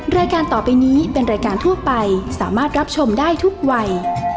รายการต่อไปนี้เป็นรายการทั่วไปสามารถรับชมได้ทุกวัย